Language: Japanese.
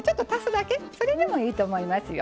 それでもいいと思いますよ。